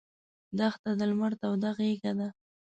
دښته د لمر توده غېږه ده.